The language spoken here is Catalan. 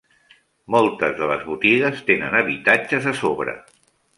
Moltes de les botigues tenen habitatges a sobre.